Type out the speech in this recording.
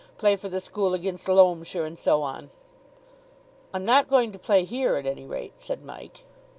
Play for the school against Loamshire, and so on." "I'm not going to play here, at any rate," said Mike.